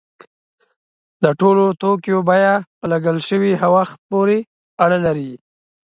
د ټولو توکو بیه په لګول شوي وخت پورې اړه لري.